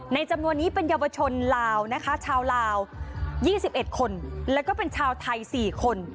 จำนวนนี้เป็นเยาวชนลาวนะคะชาวลาว๒๑คนแล้วก็เป็นชาวไทย๔คน